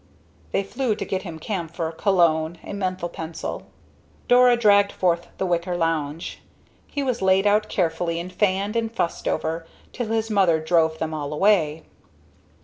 They flew to get him camphor, cologne, a menthol pencil. Dora dragged forth the wicker lounge. He was laid out carefully and fanned and fussed over till his mother drove them all away.